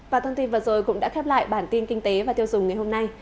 và thông tin vừa rồi cũng đã khép lại bản tin kinh tế và tiêu dùng ngày hôm nay